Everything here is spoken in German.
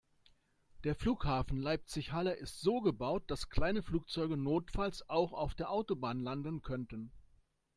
Der Flughafen Leipzig/Halle ist so gebaut, dass kleine Flugzeuge notfalls auch auf der Autobahn landen könnten.